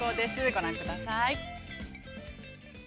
ご覧ください。